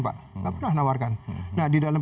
pak gak pernah menawarkan nah di dalam